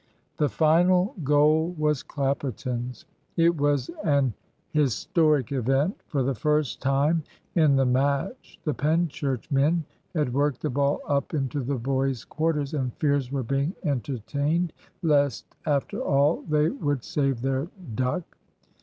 The final goal was Clapperton's. It was an historic event. For the first time in the match the Penchurch men had worked the ball up into the boys' quarters, and fears were being entertained lest, after all, they would save their "duck."